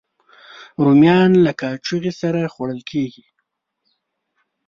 رومیان له کاچوغې سره خوړل کېږي